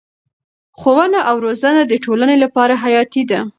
ښوونه او روزنه د ټولنې لپاره حیاتي ده.